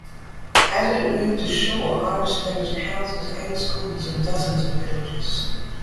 As it moved ashore, Iris damaged houses and schools in dozens of villages.